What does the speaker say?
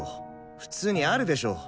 普通にあるでしょ。